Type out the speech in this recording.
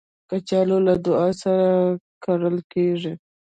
کچالو له دعاوو سره کرل کېږي